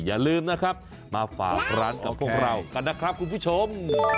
อย่าลืมนะครับมาฝากร้านกับพวกเรากันนะครับคุณผู้ชม